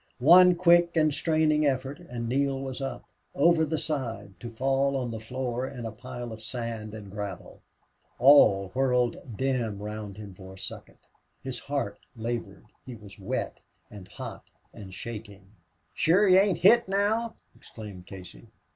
One quick and straining effort and Neale was up, over the side, to fall on the floor in a pile of sand and gravel. All whirled dim round him for a second. His heart labored. He was wet and hot and shaking. "Shure yez ain't hit now!" exclaimed Casey.